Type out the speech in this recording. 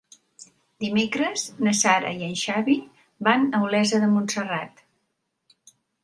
Dimecres na Sara i en Xavi van a Olesa de Montserrat.